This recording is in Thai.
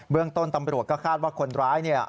เบื้องต้นตำรวจก็คาดว่าคนร้าย